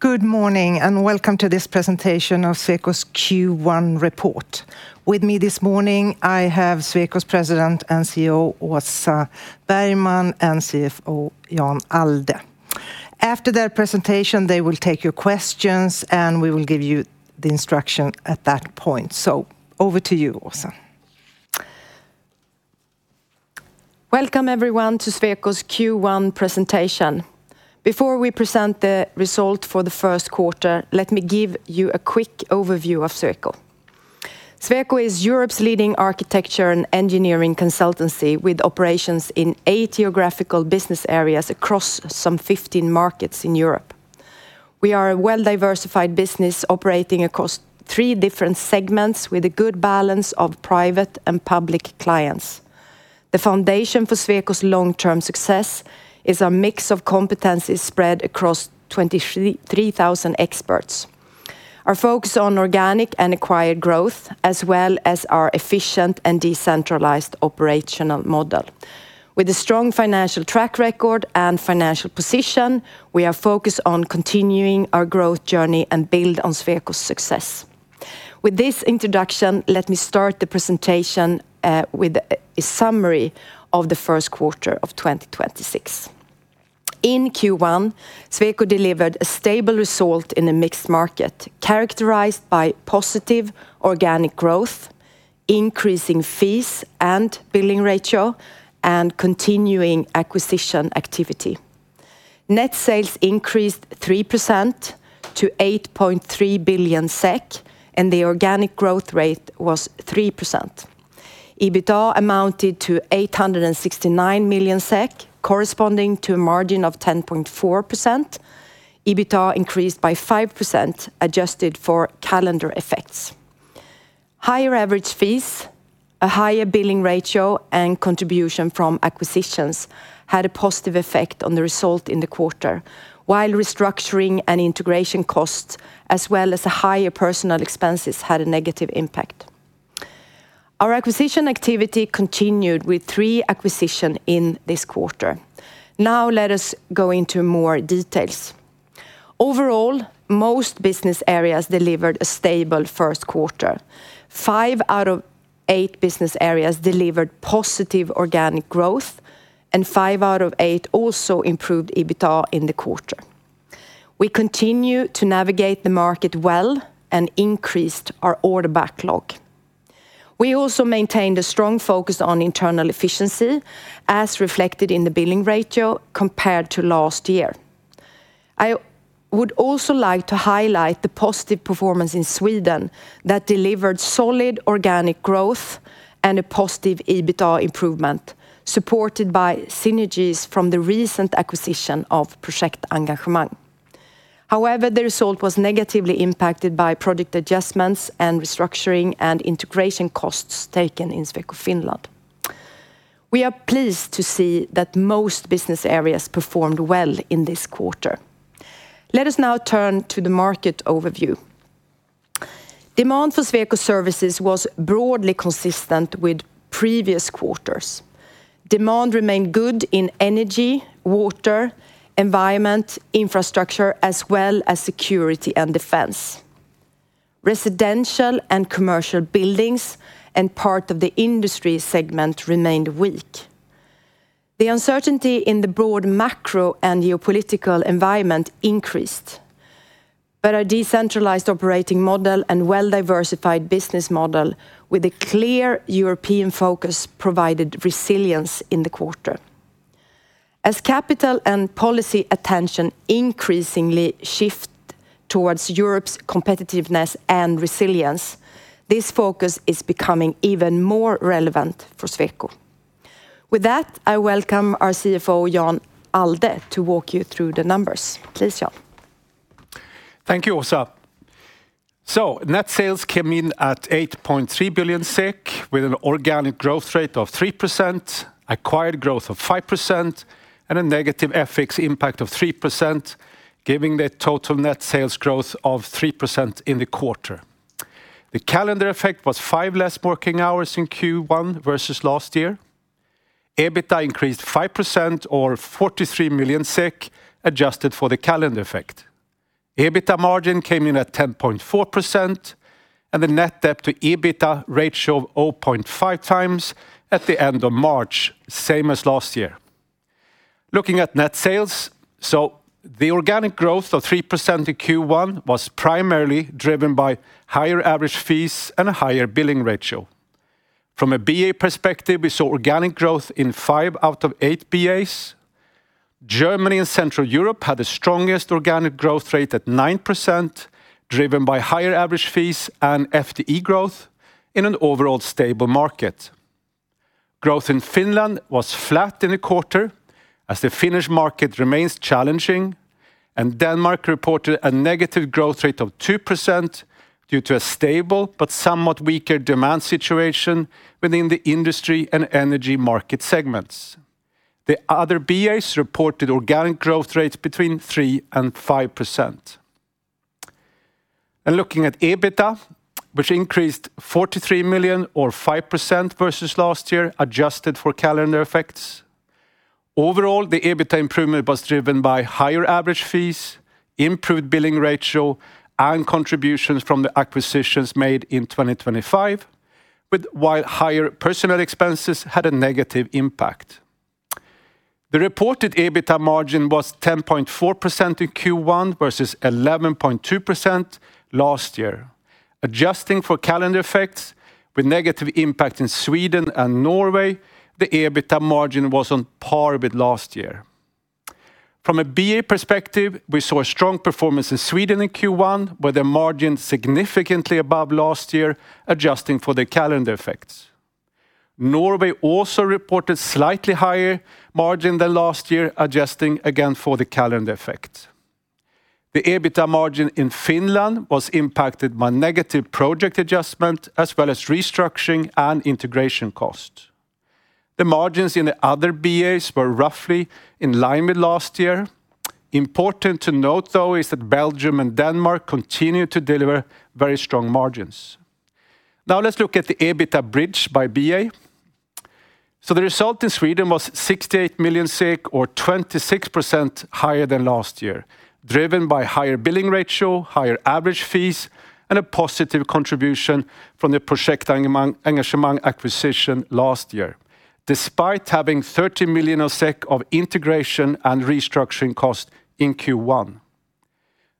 Good morning, and welcome to this presentation of Sweco's Q1 report. With me this morning, I have Sweco's President and CEO, Åsa Bergman, and CFO, Jan Allde. After their presentation, they will take your questions, and we will give you the instruction at that point. Over to you, Åsa. Welcome, everyone, to Sweco's Q1 presentation. Before we present the result for the first quarter, let me give you a quick overview of Sweco. Sweco is Europe's leading architecture and engineering consultancy with operations in eight geographical business areas across some 15 markets in Europe. We are a well-diversified business operating across three different segments with a good balance of private and public clients. The foundation for Sweco's long-term success is a mix of competencies spread across 23,300 experts, our focus on organic and acquired growth as well as our efficient and decentralized operational model. With a strong financial track record and financial position, we are focused on continuing our growth journey and build on Sweco's success. With this introduction, let me start the presentation with a summary of the first quarter of 2026. In Q1, Sweco delivered a stable result in a mixed market characterized by positive organic growth, increasing fees and billing ratio, and continuing acquisition activity. Net sales increased 3% to 8.3 billion SEK, and the organic growth rate was 3%. EBITA amounted to 869 million SEK, corresponding to a margin of 10.4%. EBITA increased by 5% adjusted for calendar effects. Higher average fees, a higher billing ratio, and contribution from acquisitions had a positive effect on the result in the quarter, while restructuring and integration costs, as well as the higher personal expenses, had a negative impact. Our acquisition activity continued with three acquisitions in this quarter. Now let us go into more details. Overall, most business areas delivered a stable first quarter. Five out of eight business areas delivered positive organic growth, and five out of eight also improved EBITA in the quarter. We continue to navigate the market well and increased our order backlog. We also maintained a strong focus on internal efficiency, as reflected in the billing ratio compared to last year. I would also like to highlight the positive performance in Sweden that delivered solid organic growth and a positive EBITA improvement, supported by synergies from the recent acquisition of Projektengagemang. However, the result was negatively impacted by project adjustments and restructuring and integration costs taken in Sweco Finland. We are pleased to see that most business areas performed well in this quarter. Let us now turn to the market overview. Demand for Sweco services was broadly consistent with previous quarters. Demand remained good in energy, water, environment, infrastructure, as well as security and defense. Residential and commercial buildings and part of the industry segment remained weak. The uncertainty in the broad macro and geopolitical environment increased, but a decentralized operating model and well-diversified business model with a clear European focus provided resilience in the quarter. As capital and policy attention increasingly shift towards Europe's competitiveness and resilience, this focus is becoming even more relevant for Sweco. With that, I welcome our CFO, Jan Allde, to walk you through the numbers. Please, Jan. Thank you, Åsa. Net sales came in at 8.3 billion SEK with an organic growth rate of 3%, acquired growth of 5%, and a negative FX impact of 3%, giving the total net sales growth of 3% in the quarter. The calendar effect was five less working hours in Q1 versus last year. EBITA increased 5% or 43 million SEK adjusted for the calendar effect. EBITA margin came in at 10.4%, and the net debt to EBITA ratio of 0.5 times at the end of March, same as last year. Looking at net sales, the organic growth of 3% in Q1 was primarily driven by higher average fees and a higher billing ratio. From a BA perspective, we saw organic growth in five out of eight BAs. Germany and Central Europe had the strongest organic growth rate at 9%, driven by higher average fees and FTE growth in an overall stable market. Growth in Finland was flat in the quarter as the Finnish market remains challenging, and Denmark reported a negative growth rate of -2% due to a stable but somewhat weaker demand situation within the industry and energy market segments. The other BAs reported organic growth rates between 3%-5%. Looking at EBITA, which increased 43 million or 5% versus last year, adjusted for calendar effects. Overall, the EBITA improvement was driven by higher average fees, improved billing ratio, and contributions from the acquisitions made in 2025. While higher personnel expenses had a negative impact. The reported EBITA margin was 10.4% in Q1 versus 11.2% last year. Adjusting for calendar effects with negative impact in Sweden and Norway, the EBITA margin was on par with last year. From a BA perspective, we saw a strong performance in Sweden in Q1, with the margin significantly above last year adjusting for the calendar effects. Norway also reported slightly higher margin than last year, adjusting again for the calendar effect. The EBITA margin in Finland was impacted by negative project adjustment as well as restructuring and integration cost. The margins in the other BAs were roughly in line with last year. Important to note though is that Belgium and Denmark continue to deliver very strong margins. Now let's look at the EBITA bridge by BA. The result in Sweden was 68 million, or 26% higher than last year, driven by higher billing ratio, higher average fees, and a positive contribution from the Projektengagemang acquisition last year, despite having 30 million of integration and restructuring cost in Q1.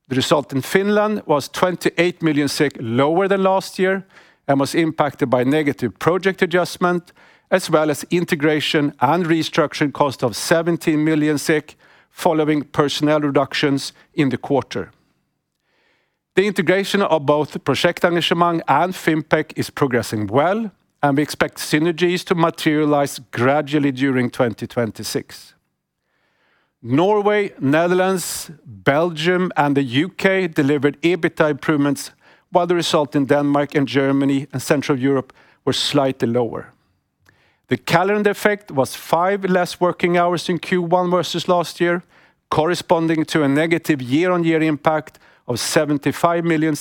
The result in Finland was 28 million lower than last year and was impacted by negative project adjustment as well as integration and restructuring cost of 17 million following personnel reductions in the quarter. The integration of both Projektengagemang and Fimpec is progressing well, and we expect synergies to materialize gradually during 2026. Norway, Netherlands, Belgium, and the U.K. delivered EBITA improvements, while the result in Denmark and Germany and Central Europe were slightly lower. The calendar effect was five less working hours in Q1 versus last year, corresponding to a negative year-on-year impact of 75 million,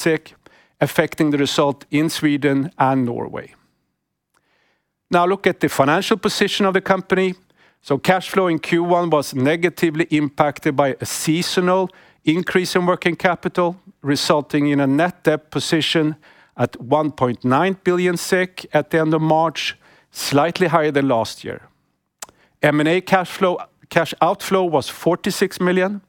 affecting the result in Sweden and Norway. Now look at the financial position of the company. Cash flow in Q1 was negatively impacted by a seasonal increase in working capital, resulting in a net debt position at 1.9 billion SEK at the end of March, slightly higher than last year. M&A cash flow, cash outflow was 46 million,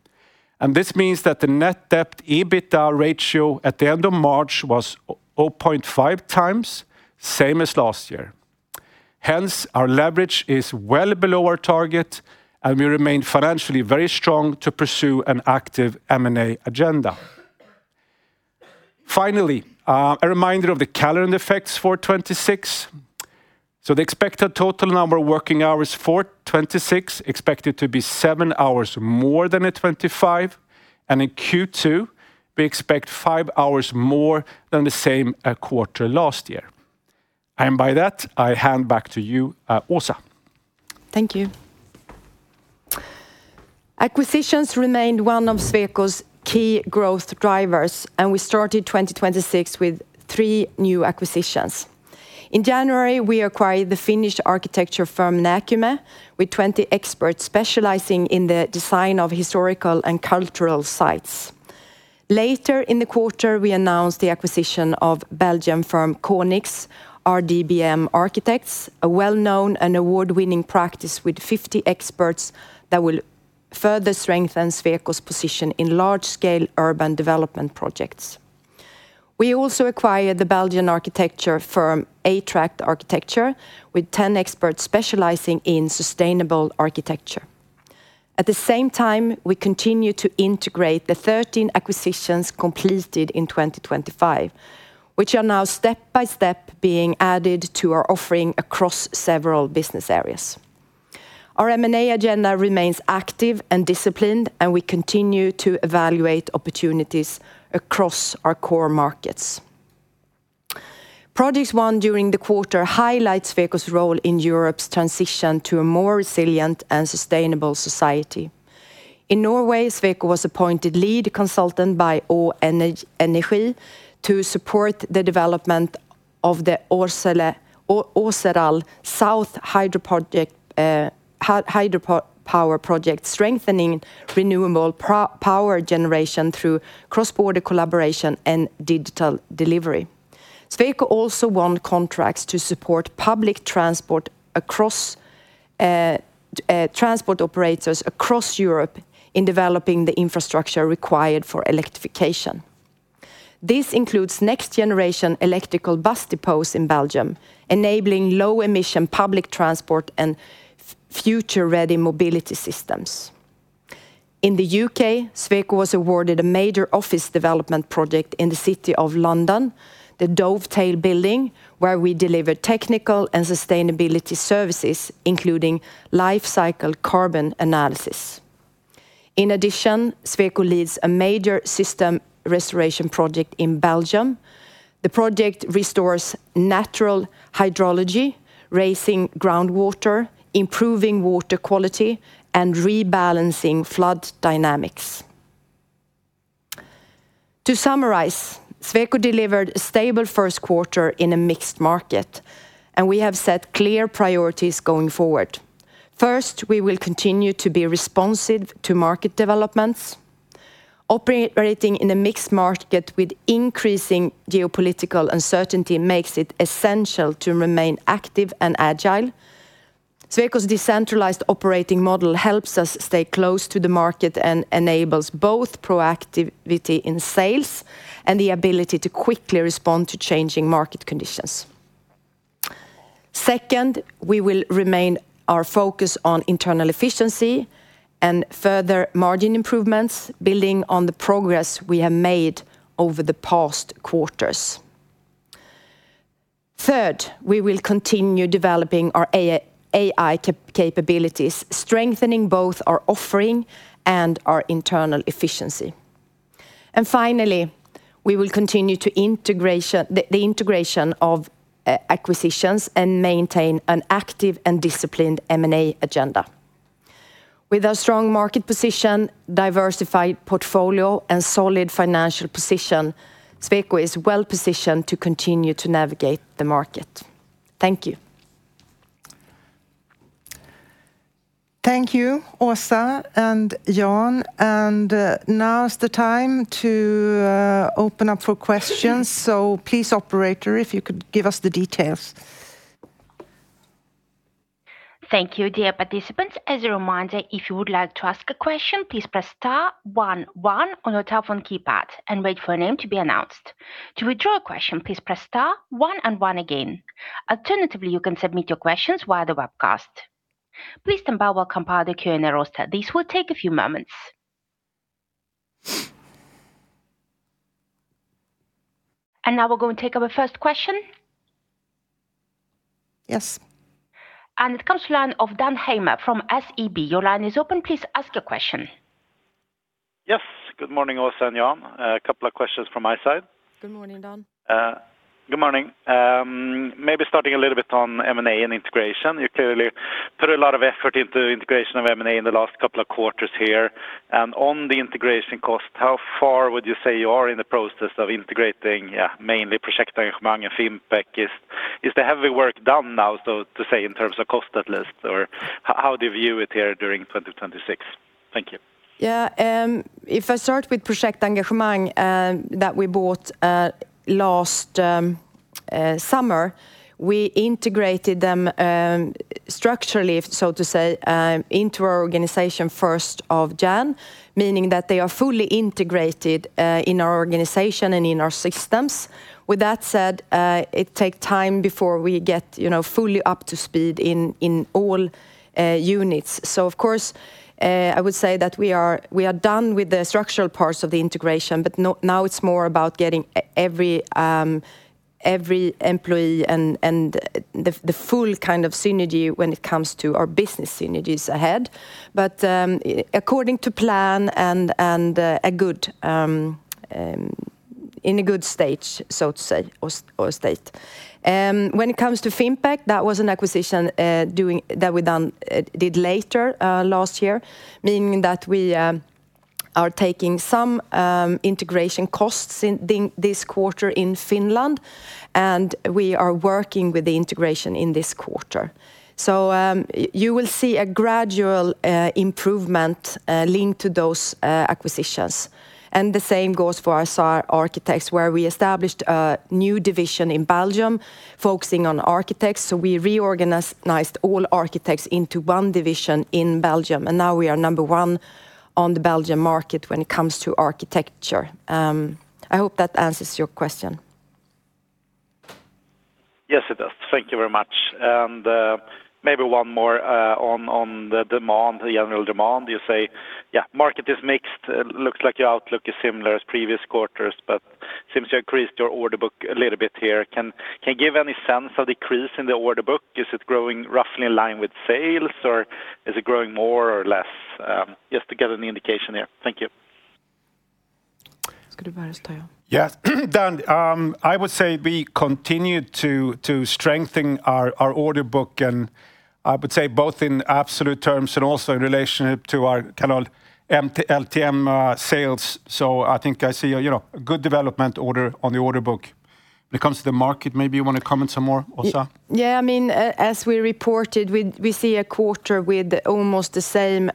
and this means that the net debt EBITA ratio at the end of March was 0.5 times, same as last year. Hence, our leverage is well below our target, and we remain financially very strong to pursue an active M&A agenda. Finally, a reminder of the calendar effects for 2026. The expected total number of working hours for 2026 expected to be seven hours more than in 2025, and in Q2, we expect five hours more than the same quarter last year. By that, I hand back to you, Åsa. Thank you. Acquisitions remained one of Sweco's key growth drivers, and we started 2026 with three new acquisitions. In January, we acquired the Finnish architecture firm Näkymä, with 20 experts specializing in the design of historical and cultural sites. Later in the quarter, we announced the acquisition of Belgian firm CONIX RDBM Architects, a well-known and award-winning practice with 50 experts that will further strengthen Sweco's position in large-scale urban development projects. We also acquired the Belgian architecture firm a-tract architecture, with 10 experts specializing in sustainable architecture. At the same time, we continue to integrate the 13 acquisitions completed in 2025, which are now step by step being added to our offering across several business areas. Our M&A agenda remains active and disciplined, and we continue to evaluate opportunities across our core markets. Projects won during the quarter highlight Sweco's role in Europe's transition to a more resilient and sustainable society. In Norway, Sweco was appointed lead consultant by Å Energi to support the development of the Åseral South Hydro Project, hydro power project, strengthening renewable power generation through cross-border collaboration and digital delivery. Sweco also won contracts to support public transport across transport operators across Europe in developing the infrastructure required for electrification. This includes next-generation electrical bus depots in Belgium, enabling low-emission public transport and future-ready mobility systems. In the U.K., Sweco was awarded a major office development project in the city of London, the Dovetail Building, where we deliver technical and sustainability services, including life cycle carbon analysis. In addition, Sweco leads a major system restoration project in Belgium. The project restores natural hydrology, raising groundwater, improving water quality, and rebalancing flood dynamics. To summarize, Sweco delivered a stable first quarter in a mixed market, and we have set clear priorities going forward. First, we will continue to be responsive to market developments. Operating in a mixed market with increasing geopolitical uncertainty makes it essential to remain active and agile. Sweco's decentralized operating model helps us stay close to the market and enables both proactivity in sales and the ability to quickly respond to changing market conditions. Second, we will maintain our focus on internal efficiency and further margin improvements building on the progress we have made over the past quarters. Third, we will continue developing our AI capabilities, strengthening both our offering and our internal efficiency. Finally, we will continue the integration of acquisitions and maintain an active and disciplined M&A agenda. With a strong market position, diversified portfolio, and solid financial position, Sweco is well-positioned to continue to navigate the market. Thank you. Thank you, Åsa and Jan, and now is the time to open up for questions. Please, operator, if you could give us the details. Thank you, dear participants. As a reminder, if you would like to ask a question, please press star one one on your telephone keypad and wait for your name to be announced. To withdraw a question, please press star one and one again. Alternatively, you can submit your questions via the webcast. Please stand by while we compile the Q&A roster. This will take a few moments. Now we're going to take our first question. Yes. It comes to the line of Dan Heimer from SEB. Your line is open. Please ask your question. Yes. Good morning, Åsa and Jan. A couple of questions from my side. Good morning, Dan. Good morning. Maybe starting a little bit on M&A and integration. You clearly put a lot of effort into integration of M&A in the last couple of quarters here. On the integration cost, how far would you say you are in the process of integrating, mainly Projektengagemang and Fimpec? Is the heavy work done now, in terms of cost at least? Or how do you view it here during 2026? Thank you. Yeah. If I start with Projektengagemang, that we bought last summer, we integrated them structurally, so to say, into our organization first of January, meaning that they are fully integrated in our organization and in our systems. With that said, it take time before we get, you know, fully up to speed in all units. So of course, I would say that we are done with the structural parts of the integration, but now it's more about getting every employee and the full kind of synergy when it comes to our business synergies ahead. According to plan and a good stage, so to say, or state. When it comes to Fimpec, that was an acquisition that we did later last year, meaning that we are taking some integration costs in this quarter in Finland, and we are working with the integration in this quarter. You will see a gradual improvement linked to those acquisitions. The same goes for our SAR Architects, where we established a new division in Belgium focusing on architects. We reorganized all architects into one division in Belgium, and now we are number one on the Belgian market when it comes to architecture. I hope that answers your question. Yes, it does. Thank you very much. Maybe one more on the demand, the annual demand. You say, yeah, market is mixed. It looks like your outlook is similar as previous quarters, but seems to increase your order book a little bit here. Can you give any sense of the increase in the order book? Is it growing roughly in line with sales, or is it growing more or less? Just to get an indication there. Thank you. Yes. Dan, I would say we continue to strengthen our order book, and I would say both in absolute terms and also in relation to our kind of LTM sales. I think I see a you know a good development order on the order book. When it comes to the market, maybe you want to comment some more, Åsa? I mean, as we reported, we see a quarter with almost the same,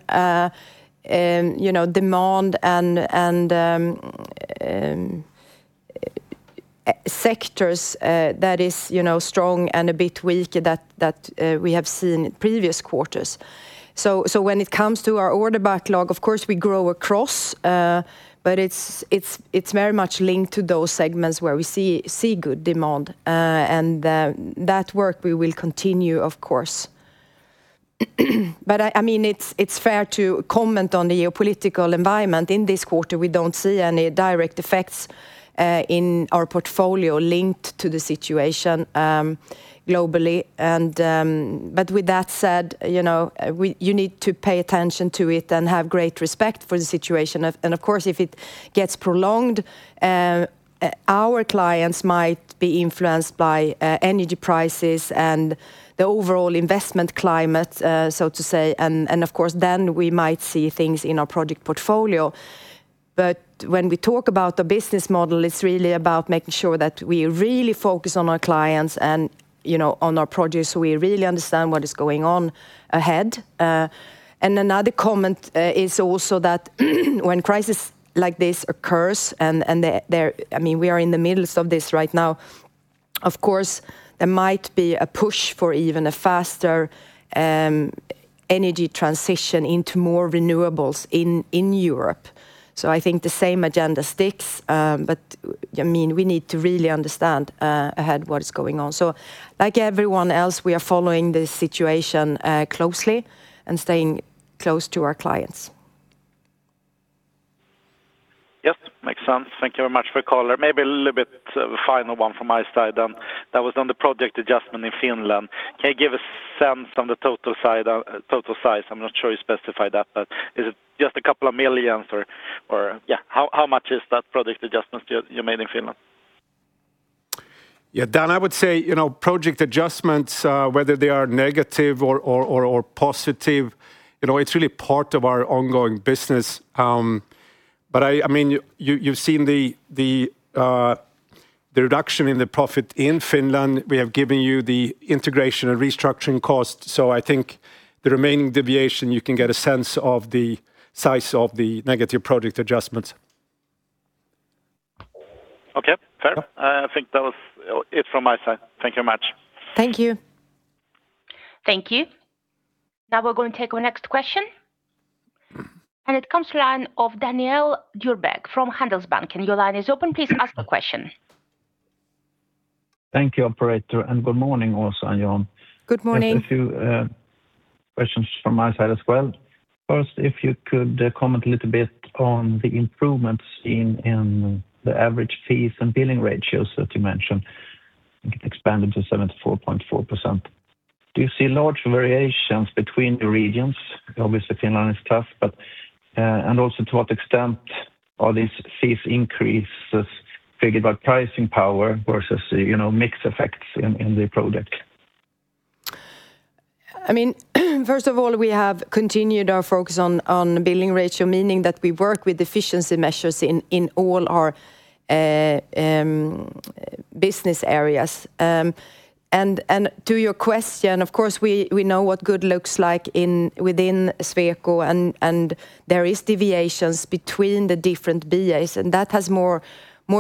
you know, demand and sectors that is strong and a bit weak that we have seen in previous quarters. When it comes to our order backlog, of course, we grow across, but it's very much linked to those segments where we see good demand. That work we will continue, of course. I mean, it's fair to comment on the geopolitical environment in this quarter. We don't see any direct effects in our portfolio linked to the situation globally and. With that said, you know, you need to pay attention to it and have great respect for the situation. Of course, if it gets prolonged, our clients might be influenced by energy prices and the overall investment climate, so to say. Of course, then we might see things in our project portfolio. When we talk about the business model, it's really about making sure that we really focus on our clients and, you know, on our projects, so we really understand what is going on ahead. Another comment is also that when crisis like this occurs, I mean, we are in the midst of this right now. Of course, there might be a push for even a faster energy transition into more renewables in Europe. I think the same agenda sticks. I mean, we need to really understand ahead what is going on. Like everyone else, we are following the situation closely and staying close to our clients. Yes. Makes sense. Thank you very much for calling. Maybe a little bit final one from my side that was on the project adjustment in Finland. Can you give a sense on the total side total size? I'm not sure you specified that, but is it just a couple of millions or... Yeah, how much is that project adjustment you made in Finland? Yeah. Dan, I would say, you know, project adjustments, whether they are negative or positive, you know, it's really part of our ongoing business. I mean, you've seen the reduction in the profit in Finland. We have given you the integration and restructuring costs. I think the remaining deviation, you can get a sense of the size of the negative project adjustments. Okay. Fair. Yeah. I think that was it from my side. Thank you very much. Thank you. Thank you. Now we're going to take our next question. It comes from the line of Daniel Djurberg from Handelsbanken. Your line is open. Please ask the question. Thank you, operator, and good morning Åsa and Jan. Good morning. Just a few questions from my side as well. First, if you could comment a little bit on the improvements seen in the average fees and billing ratios that you mentioned, expanded to 74.4%. Do you see large variations between the regions? Obviously, Finland is tough, but and also to what extent are these fees increases figured by pricing power versus, you know, mixed effects in the product? I mean, first of all, we have continued our focus on billing ratio, meaning that we work with efficiency measures in all our business areas. To your question, of course, we know what good looks like within Sweco and there is deviations between the different BAs, and that has more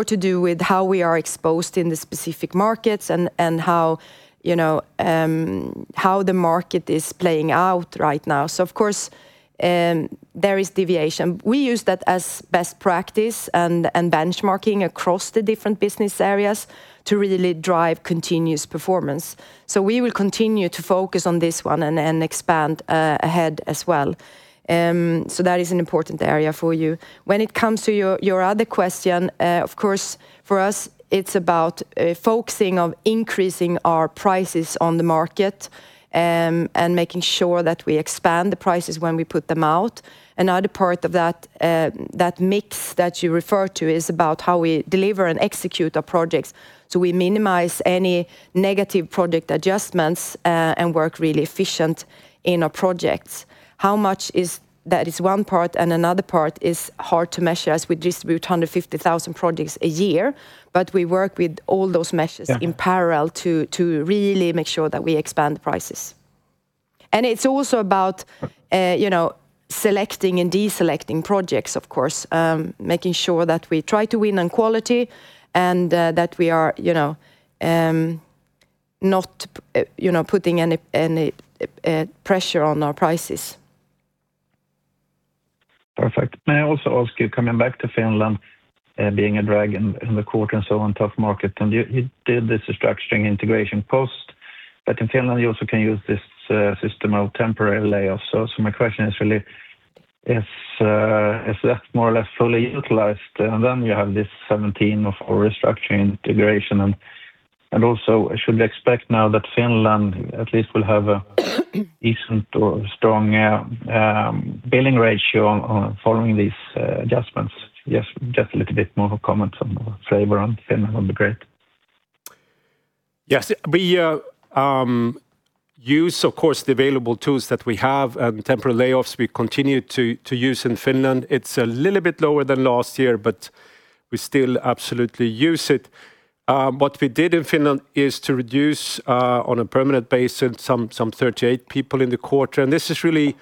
to do with how we are exposed in the specific markets and how, you know, how the market is playing out right now. Of course, there is deviation. We use that as best practice and benchmarking across the different business areas to really drive continuous performance. We will continue to focus on this one and expand ahead as well. That is an important area for you. When it comes to your other question, of course, for us, it's about focusing on increasing our prices on the market, and making sure that we expand the prices when we put them out. Another part of that mix that you refer to is about how we deliver and execute our projects, so we minimize any negative project adjustments, and work really efficient in our projects. That is one part, and another part is hard to measure as we distribute 150,000 projects a year, but we work with all those measures... Yeah ...In parallel to really make sure that we expand the prices. It's also about, you know, selecting and deselecting projects, of course, making sure that we try to win on quality and that we are, you know, not putting any pressure on our prices. Perfect. May I also ask you, coming back to Finland, being a drag in the quarter and so on, tough market, and you did this restructuring integration post. In Finland, you also can use this system of temporary layoffs. My question is really if that's more or less fully utilized, then you have this 17 million of our restructuring integration. Also, should we expect now that Finland at least will have a decent or strong billing ratio on following these adjustments? Yes. Just a little bit more comment or color on Finland would be great. Yes. We use, of course, the available tools that we have, temporary layoffs we continue to use in Finland. It's a little bit lower than last year, but we still absolutely use it. What we did in Finland is to reduce on a permanent basis some 38 people in the quarter, and this is really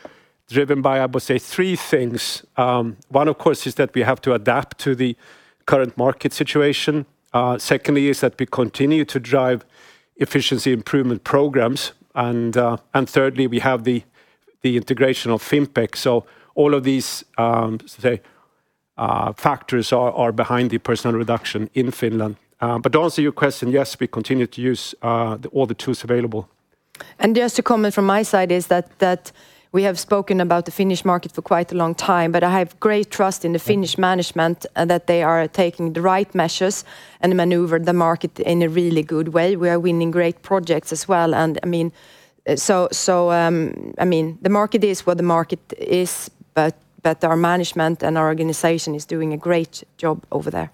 driven by, I would say, three things. One, of course, is that we have to adapt to the current market situation. Secondly is that we continue to drive efficiency improvement programs, and thirdly, we have the integration of Fimpec. All of these, say, factors are behind the personnel reduction in Finland. To answer your question, yes, we continue to use all the tools available. Just a comment from my side is that that we have spoken about the Finnish market for quite a long time, but I have great trust in the Finnish management and that they are taking the right measures and maneuver the market in a really good way. We are winning great projects as well, and I mean, so, I mean, the market is what the market is, but our management and our organization is doing a great job over there.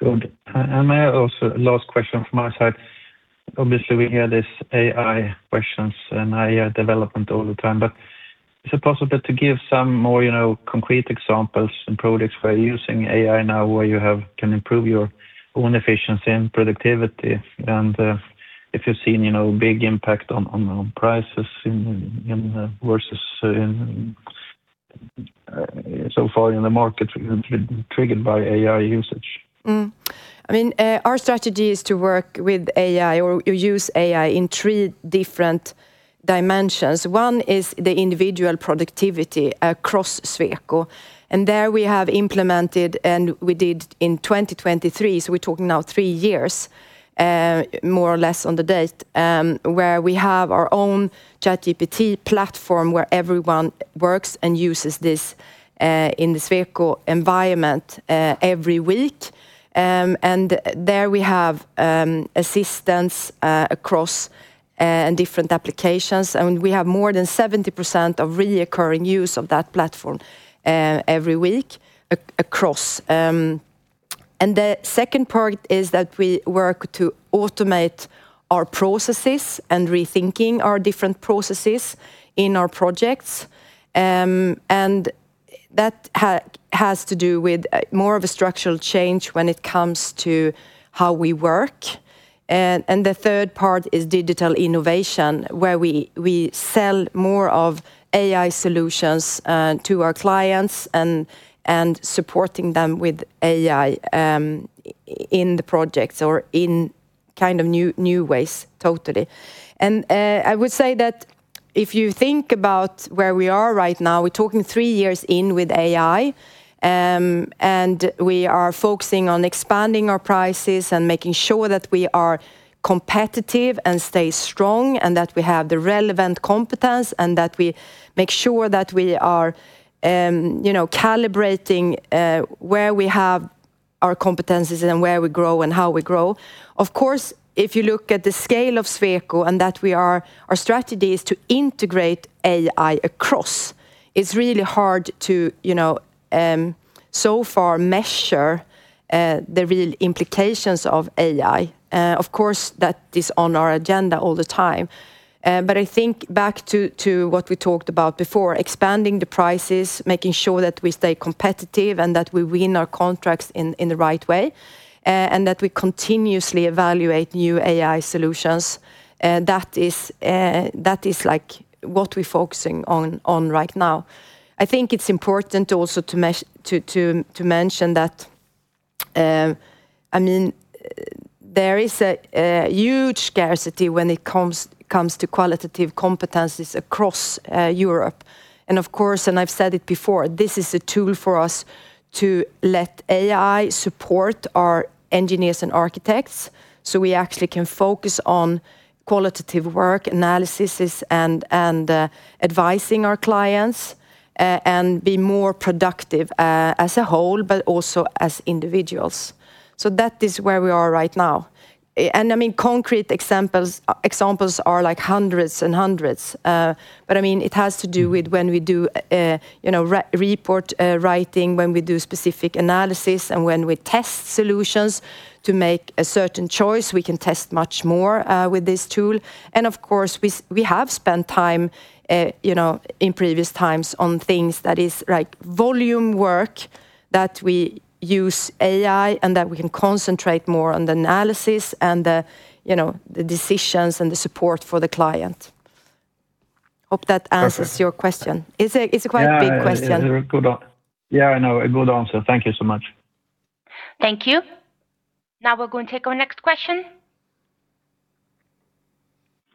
Good. May I also, last question from my side. Obviously, we hear these AI questions and AI development all the time, but is it possible to give some more, you know, concrete examples and products where you're using AI now, can improve your own efficiency and productivity? If you've seen, you know, big impact on prices so far in the market triggered by AI usage. I mean, our strategy is to work with AI or use AI in three different dimensions. One is the individual productivity across Sweco, and there we have implemented, and we did in 2023, so we're talking now three years, more or less on the date, where we have our own ChatGPT platform where everyone works and uses this in the Sweco environment every week. There we have assistance across different applications. I mean, we have more than 70% recurring use of that platform every week across. The second part is that we work to automate our processes and rethinking our different processes in our projects. That has to do with more of a structural change when it comes to how we work. The third part is digital innovation, where we sell more of AI solutions to our clients and supporting them with AI in the projects or in kind of new ways totally. I would say that if you think about where we are right now, we're talking three years in with AI and we are focusing on expanding our prices and making sure that we are competitive and stay strong and that we have the relevant competence and that we make sure that we are you know calibrating where we have our competencies and where we grow and how we grow. Of course, if you look at the scale of Sweco and that we are, our strategy is to integrate AI across, it's really hard to you know, so far, measure the real implications of AI. Of course, that is on our agenda all the time. But I think back to what we talked about before, expanding the prices, making sure that we stay competitive, and that we win our contracts in the right way, and that we continuously evaluate new AI solutions, that is, like, what we're focusing on right now. I think it's important also to mention that, I mean, there is a huge scarcity when it comes to qualified competencies across Europe. Of course, I've said it before, this is a tool for us to let AI support our engineers and architects, so we actually can focus on qualified work, analyses, and advising our clients, and be more productive, as a whole, but also as individuals. That is where we are right now. I mean, concrete examples are, like, hundreds and hundreds. I mean, it has to do with when we do, you know, re-report writing, when we do specific analysis, and when we test solutions to make a certain choice, we can test much more with this tool. Of course, we have spent time, you know, in previous times on things that is, like, volume work that we use AI and that we can concentrate more on the analysis and the, you know, the decisions and the support for the client. Hope that answers your question. Perfect. It's a quite big question. Yeah, I know. A good answer. Thank you so much. Thank you. Now we're going to take our next question.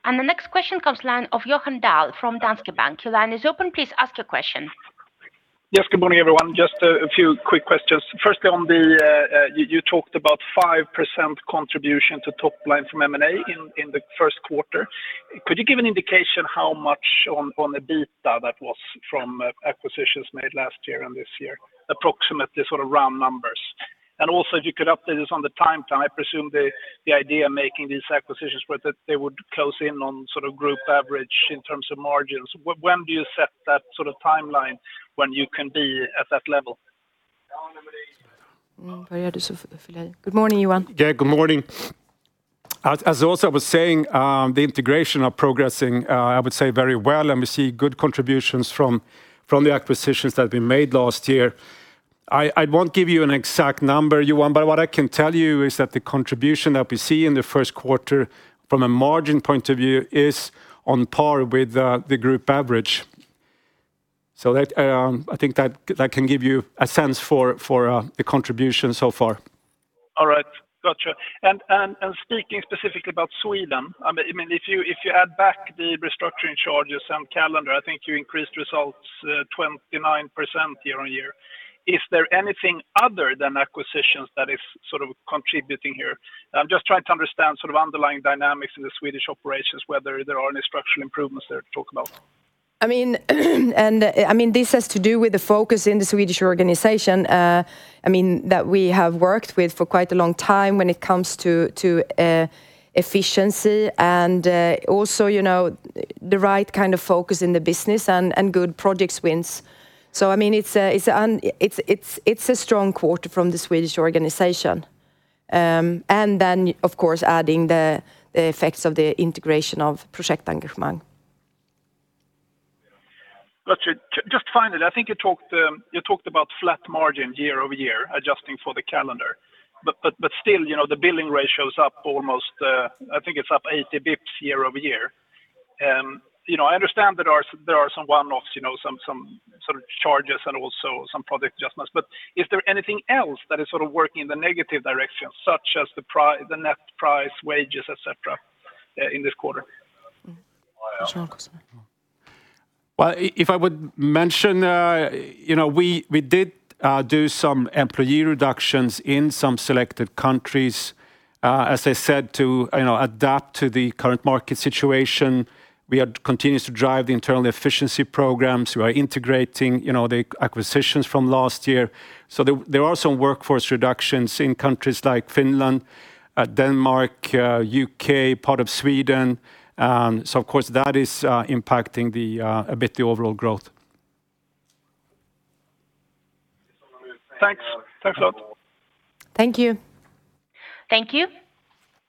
The next question comes from the line of Johan Dahl from Danske Bank. Your line is open. Please ask your question. Yes. Good morning, everyone. Just a few quick questions. Firstly, on the you talked about 5% contribution to top line from M&A in the first quarter. Could you give an indication how much on the EBITA that was from acquisitions made last year and this year, approximately sort of round numbers? And also if you could update us on the timeline, I presume the idea making these acquisitions were that they would close in on sort of group average in terms of margins. When do you set that sort of timeline when you can be at that level? Good morning, Johan. Yeah, good morning. As Åsa was saying, the integration is progressing. I would say very well, and we see good contributions from the acquisitions that have been made last year. I won't give you an exact number, Johan, but what I can tell you is that the contribution that we see in the first quarter from a margin point of view is on par with the group average. That I think can give you a sense for the contribution so far. All right. Gotcha. Speaking specifically about Sweden, I mean, if you add back the restructuring charges and calendar, I think you increased results 29% year-on-year. Is there anything other than acquisitions that is sort of contributing here? I'm just trying to understand sort of underlying dynamics in the Swedish operations, whether there are any structural improvements there to talk about. I mean, this has to do with the focus in the Swedish organization. I mean, that we have worked with for quite a long time when it comes to efficiency and also, you know, the right kind of focus in the business and good project wins. I mean, it's a strong quarter from the Swedish organization. Of course, adding the effects of the integration of Projektengagemang. Got you. Just finally, I think you talked about flat margin year-over-year adjusting for the calendar. Still, you know, the billing ratio is up almost, I think it's up 80 basis points year-over-year. You know, I understand there are some one-offs, you know, some sort of charges and also some project adjustments. Is there anything else that is sort of working in the negative direction, such as the net price, wages, et cetera, in this quarter? Well, if I would mention, you know, we did do some employee reductions in some selected countries, as I said, to you know, adapt to the current market situation. We continue to drive the internal efficiency programs. We are integrating, you know, the acquisitions from last year. There are some workforce reductions in countries like Finland, Denmark, U.K., part of Sweden. Of course that is impacting a bit the overall growth. Thanks. Thanks a lot. Thank you. Thank you.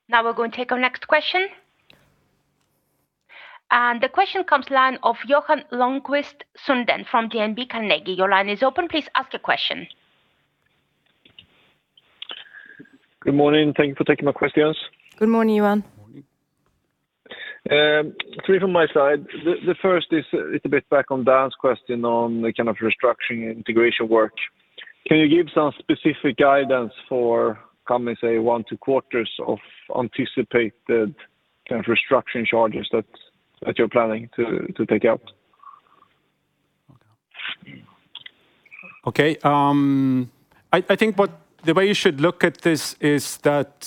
Now we'll go and take our next question. The question comes from the line of Johan Lonnqvist Sundén from DNB Carnegie. Your line is open. Please ask your question. Good morning. Thank you for taking my questions. Good morning, Johan. Three from my side. The first is a little bit back on Dan's question on the kind of restructuring integration work. Can you give some specific guidance for coming, say, one or two quarters of anticipated kind of restructuring charges that you're planning to take out? Okay. I think the way you should look at this is that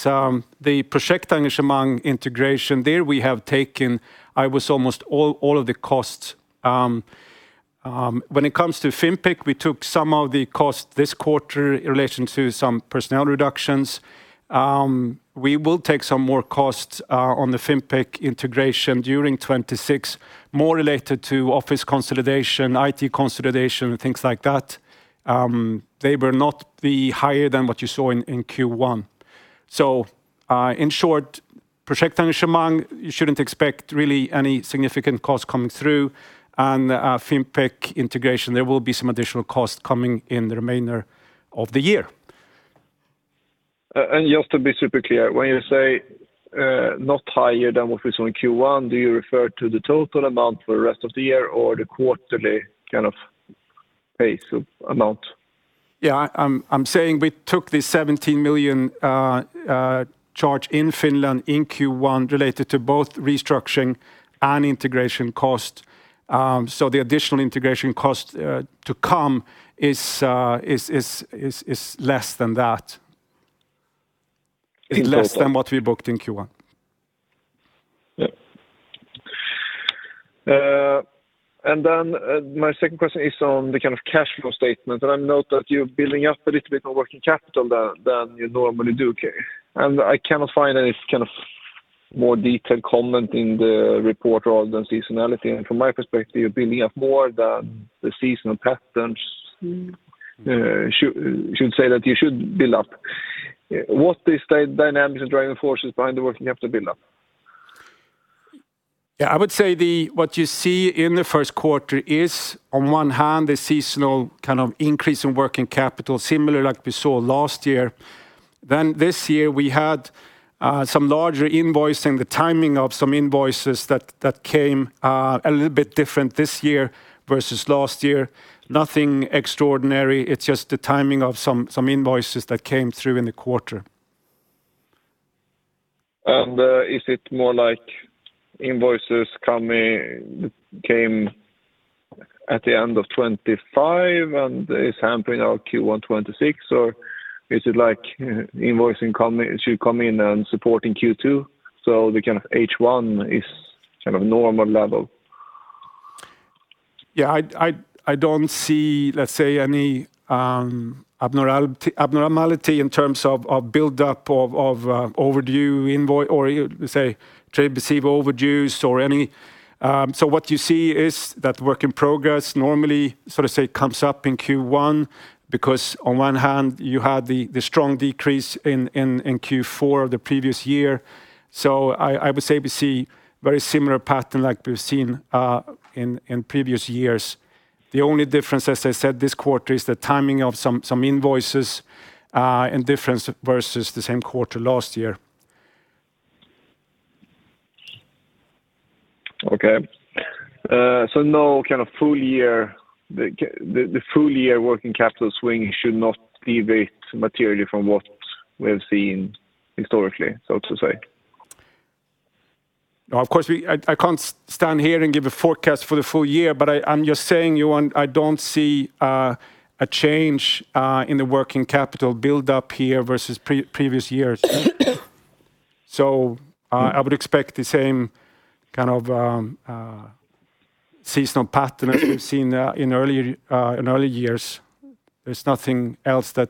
the Projektengagemang integration there we have taken almost all of the costs. When it comes to Fimpec, we took some of the costs this quarter in relation to some personnel reductions. We will take some more costs on the Fimpec integration during 2026, more related to office consolidation, IT consolidation, things like that. They will not be higher than what you saw in Q1. In short, Projektengagemang, you shouldn't expect really any significant costs coming through. Fimpec integration, there will be some additional costs coming in the remainder of the year. Just to be super clear, when you say not higher than what we saw in Q1, do you refer to the total amount for the rest of the year or the quarterly kind of pace of amount? I'm saying we took the 17 million charge in Finland in Q1 related to both restructuring and integration cost. The additional integration cost to come is less than that. In total. Less than what we booked in Q1. Yep. My second question is on the kind of cash flow statement. I note that you're building up a little bit of working capital than you normally do, okay? I cannot find any kind of more detailed comment in the report other than seasonality. From my perspective, you're building up more than the seasonal patterns. Should say that you should build up. What is the dynamics and driving forces behind the working capital build up? Yeah. I would say what you see in the first quarter is on one hand the seasonal kind of increase in working capital, similar like we saw last year. This year we had some larger invoicing, the timing of some invoices that came a little bit different this year versus last year. Nothing extraordinary, it's just the timing of some invoices that came through in the quarter. Is it more like invoices came at the end of 2025 and is hampering our Q1 2026? Or is it like invoicing should come in and support in Q2, so the kind of H1 is kind of normal level? Yeah. I don't see, let's say, any abnormality in terms of build up of overdue invoice or you could say trade receivable overdues or any. What you see is that work in progress normally sort of say comes up in Q1, because on one hand you had the strong decrease in Q4 the previous year. I would say we see very similar pattern like we've seen in previous years. The only difference, as I said, this quarter is the timing of some invoices and difference versus the same quarter last year. Okay. So, you know, kind of full year, the full year working capital swing should not deviate materially from what we have seen historically, so to say? No, of course I can't stand here and give a forecast for the full year, but I'm just saying, Johan, I don't see a change in the working capital build up here versus previous years. I would expect the same kind of seasonal pattern as we've seen in earlier years. There's nothing else that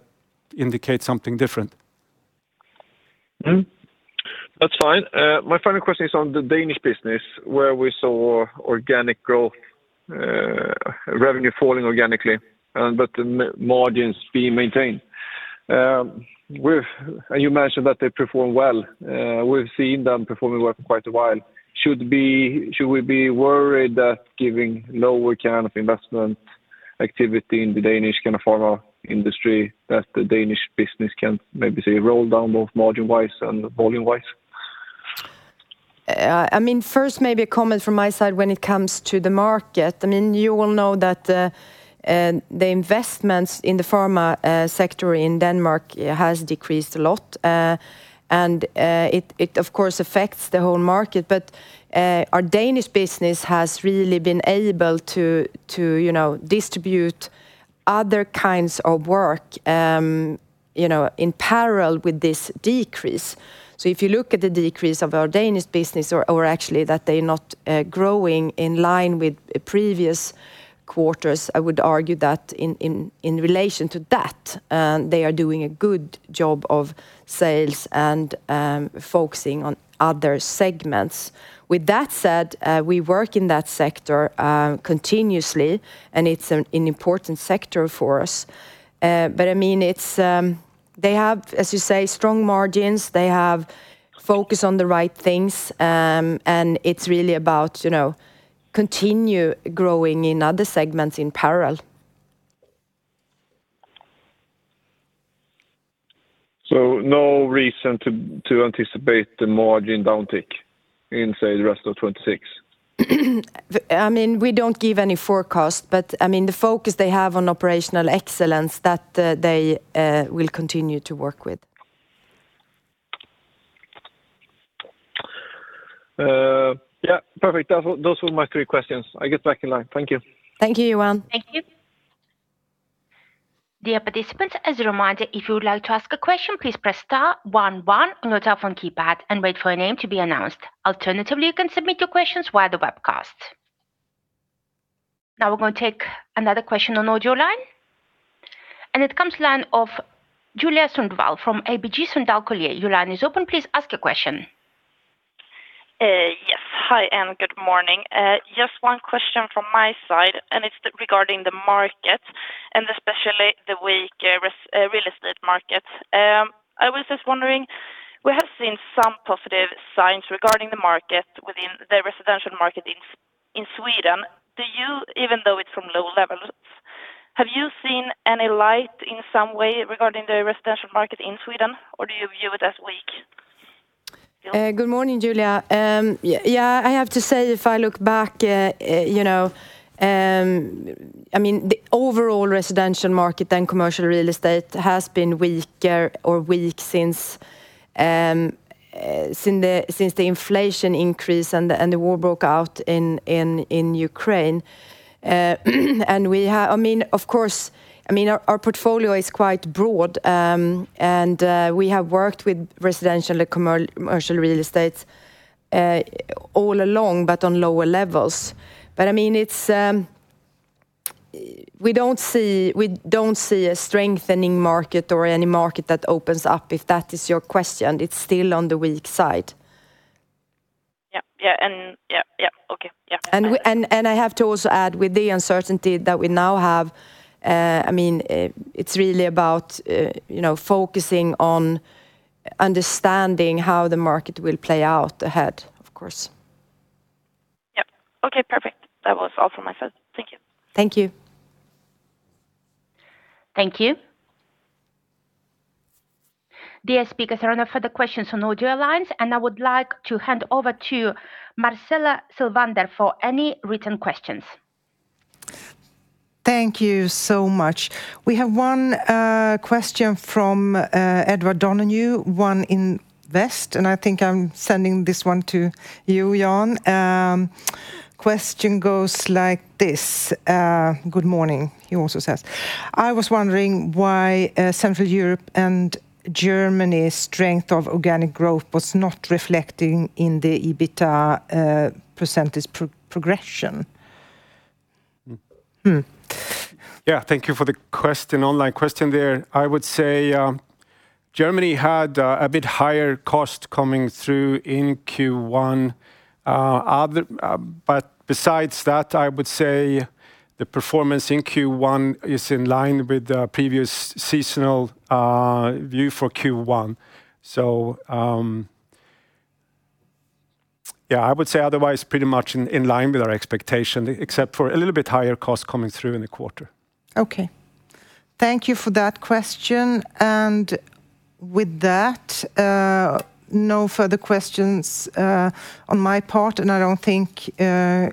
indicates something different. That's fine. My final question is on the Danish business where we saw organic growth, revenue falling organically, but the margins being maintained. You mentioned that they perform well. We've seen them performing well for quite a while. Should we be worried that given lower kind of investment activity in the Danish kind of pharma industry that the Danish business can maybe, say, roll down both margin-wise and volume-wise? I mean, first maybe a comment from my side when it comes to the market. I mean, you will know that the investments in the pharma sector in Denmark has decreased a lot, and it of course affects the whole market. Our Danish business has really been able to you know, distribute other kinds of work, you know, in parallel with this decrease. If you look at the decrease of our Danish business or actually that they're not growing in line with previous quarters, I would argue that in relation to that, they are doing a good job of sales and focusing on other segments. With that said, we work in that sector continuously, and it's an important sector for us. I mean, it's... They have, as you say, strong margins. They have focus on the right things, and it's really about, you know, continue growing in other segments in parallel. No reason to anticipate the margin downtick in, say, the rest of 2026? I mean, we don't give any forecast, but I mean, the focus they have on operational excellence that they will continue to work with. Yeah. Perfect. Those were my three questions. I get back in line. Thank you. Thank you, Johan. Thank you. Dear participants, as a reminder, if you would like to ask a question, please press star one one on your telephone keypad and wait for your name to be announced. Alternatively, you can submit your questions via the webcast. Now we're gonna take another question on audio line, and it comes line of Julia Sundvall from ABG Sundal Collier. Your line is open. Please ask your question. Yes. Hi, and good morning. Just one question from my side, and it's regarding the market, and especially the weak real estate market. I was just wondering, we have seen some positive signs regarding the market within the residential market in Sweden. Even though it's from low levels, have you seen any light in some way regarding the residential market in Sweden, or do you view it as weak? Good morning, Julia. Yeah, I have to say, if I look back, you know, I mean, the overall residential market then commercial real estate has been weaker or weak since the inflation increase and the war broke out in Ukraine. I mean, of course, I mean, our portfolio is quite broad, and we have worked with residential commercial real estates all along, but on lower levels. I mean, it's... We don't see a strengthening market or any market that opens up, if that is your question. It's still on the weak side. Yeah. Okay. I have to also add, with the uncertainty that we now have, I mean, it's really about, you know, focusing on understanding how the market will play out ahead, of course. Yep. Okay, perfect. That was all from my side. Thank you. Thank you. Thank you. Dear speakers, there are no further questions on audio lines, and I would like to hand over to Marcela Sylvander for any written questions. Thank you so much. We have one question from Edward Donohue, OneInvest, and I think I'm sending this one to you, Jan. Question goes like this: Good morning, he also says. I was wondering why Germany & Central Europe strength of organic growth was not reflecting in the EBITA percentage progression. Yeah. Thank you for the question, online question there. I would say, Germany had a bit higher cost coming through in Q1. Besides that, I would say the performance in Q1 is in line with the previous seasonal view for Q1. Yeah, I would say otherwise pretty much in line with our expectation, except for a little bit higher cost coming through in the quarter. Okay. Thank you for that question. With that, no further questions on my part, and I don't think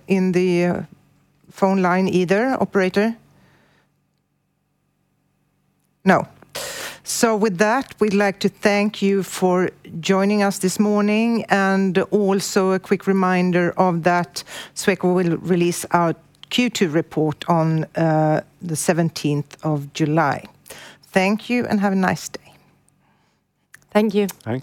in the phone line either. Operator? No. With that, we'd like to thank you for joining us this morning. Also a quick reminder of that Sweco will release our Q2 report on the 17th of July. Thank you, and have a nice day. Thank you. Thank you.